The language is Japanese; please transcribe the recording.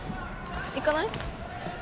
行かない？